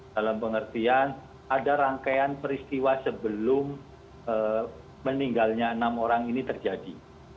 dalam pengertian ada rangkaian peristiwa sebelum meninggalnya enam orang ini terjadi